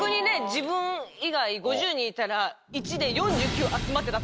自分以外５０人いたら１で４９集まってた時。